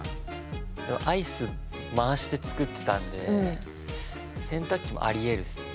でもアイス回して作ってたんで洗濯機もありえるっすね。